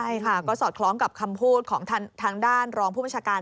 ใช่ค่ะก็สอดคล้องกับคำพูดของทางด้านรองผู้บัญชาการ